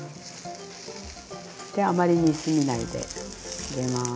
あまり煮すぎないで入れます。